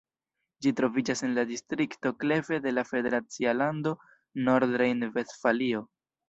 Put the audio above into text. Ĝi troviĝas en la distrikto Kleve de la federacia lando Nordrejn-Vestfalio.